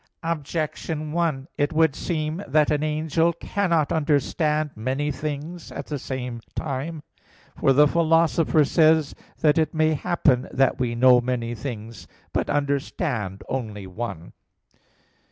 Objection 1: It would seem that an angel cannot understand many things at the same time. For the Philosopher says (Topic. ii, 4) that "it may happen that we know many things, but understand only one."